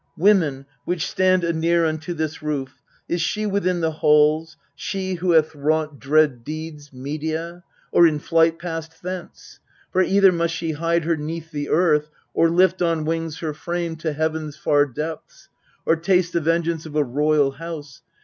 Women, which stand nneur unto this roof Is she within the halls, she who hath wrought MEDEA 285 Dread deeds, Medea, or in flight passed thence ? For either must she hide her 'neath the earth, Or lift on wings her frame to heaven's far depths, Or taste the vengeance of a royal house.